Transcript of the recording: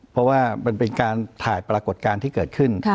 เพราะว่ามันเป็นการถ่ายปรากฏการณ์ที่เกิดขึ้น